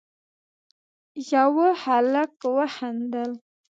يوه هلک وخندل: